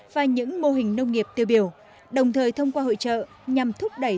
và những mô hình nông nghiệp tiêu biểu đồng thời thông qua hội trợ nhằm thúc đẩy